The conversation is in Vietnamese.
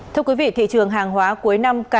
thưa quý vị thị trường hàng hóa cuối năm